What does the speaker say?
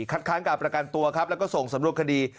คัดค้างกับประกันตัวแล้วก็ส่งสำรวจคดี